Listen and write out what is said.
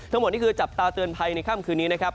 ทั้งหมดนี่คือจับตาเตือนภัยในค่ำคืนนี้นะครับ